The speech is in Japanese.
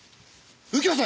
右京さん